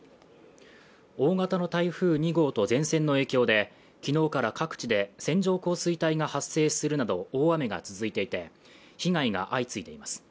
大型の台風２号と前線の影響で、昨日から各地で線状降水帯が発生するなど大雨が続いていて、被害が相次いでいます。